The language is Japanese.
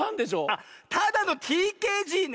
あっただのＴＫＧね。